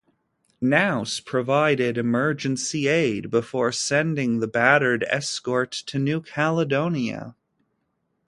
"Naos" provided emergency aid before sending the battered escort to New Caledonia.